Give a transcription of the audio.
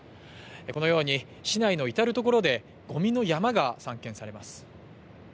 このように市内の至る所でごみの山が散見されます。